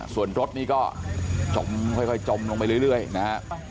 ส่วนรถนี่ก็จมค่อยจมลงไปเรื่อยนะฮะ